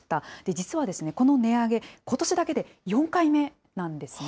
実はですね、この値上げ、ことしだけで４回目なんですね。